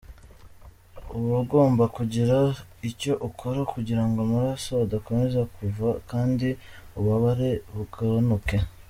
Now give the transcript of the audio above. Uba ugomba kugira icyo ukora kugira ngo amaraso adakomeza kuva kandi ububabare bugabanuke.